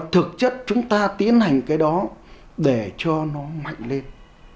thực chất chúng ta tiến hành cái đó để cho nó mạnh lên